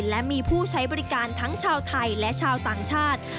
และมีผู้ใช้บริการทั้งชาวไทยและชาวต่างชาติ